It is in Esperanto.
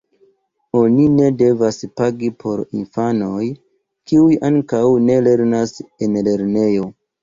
Oni ne devas pagi por infanoj, kiuj ankoraŭ ne lernas en lernejo.